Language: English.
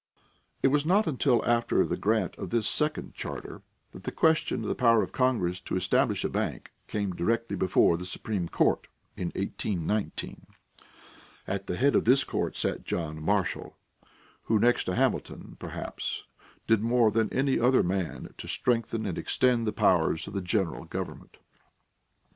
It was not until after the grant of this second charter that the question of the power of Congress to establish a bank came directly before the Supreme Court in 1819. At the head of this court sat John Marshall, who next to Hamilton, perhaps, did more than any other man to strengthen and extend the powers of the general government.